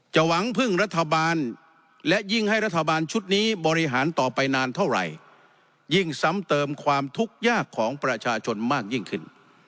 หวังพึ่งรัฐบาลและยิ่งให้รัฐบาลชุดนี้บริหารต่อไปนานเท่าไหร่ยิ่งซ้ำเติมความทุกข์ยากของประชาชนมากยิ่งขึ้น